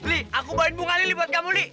li aku bawain bunga lili buat kamu li